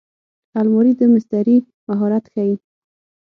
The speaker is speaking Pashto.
الماري د مستري مهارت ښيي